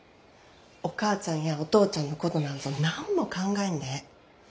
お母ちゃんやお父ちゃんのことなんぞ何も考えんでええ。